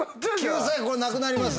救済これなくなります。